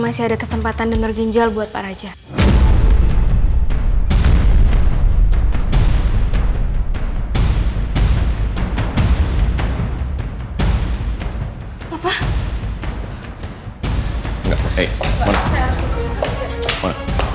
masih ada kesempatan denger ginjal buat pak raja apa apa